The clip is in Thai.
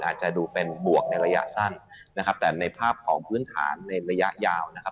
อาจจะดูเป็นบวกในระยะสั้นแต่ในภาพของพื้นฐานในระยะยาว